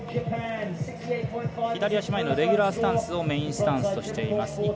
左足前のレギュラースタンスをメインスタンスとしています。